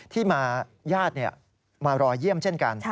ที่มายาดมารอเยี่ยมเช่นกัน